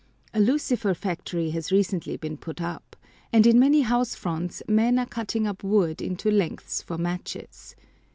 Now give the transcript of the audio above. A lucifer factory has recently been put up, and in many house fronts men are cutting up wood into lengths for matches.